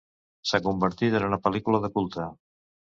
S'ha convertit en una pel·lícula de culte.